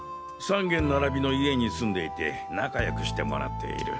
３軒並びの家に住んでいて仲よくしてもらっている。